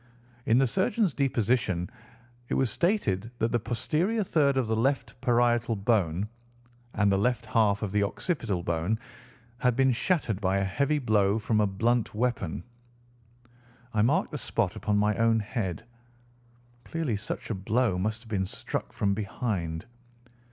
In the surgeon's deposition it was stated that the posterior third of the left parietal bone and the left half of the occipital bone had been shattered by a heavy blow from a blunt weapon. I marked the spot upon my own head. Clearly such a blow must have been struck from behind.